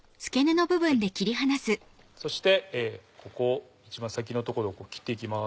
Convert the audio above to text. そしてここ一番先の所を切っていきます。